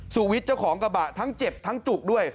ูวิทย์เจ้าของกระบะทั้งเจ็บทั้งจุกด้วย